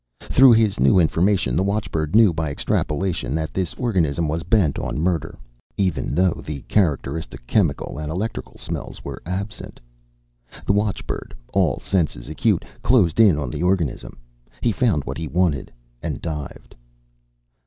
_ Through his new information, the watchbird knew by extrapolation that this organism was bent on murder, even though the characteristic chemical and electrical smells were absent. The watchbird, all senses acute, closed in on the organism. He found what he wanted, and dived.